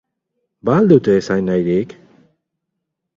Ba al dute esanahirik?